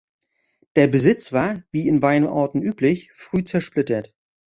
Der Besitz war, wie in Weinorten üblich, früh zersplittert.